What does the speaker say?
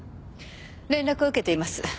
連絡を受けています。